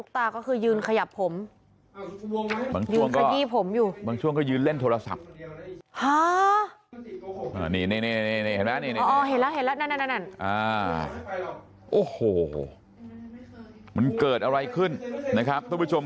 ตุ๊กตาก็คือยืนขยับผม